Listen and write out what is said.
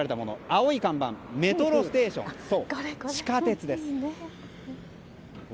青い看板、メトロステーション地下鉄です。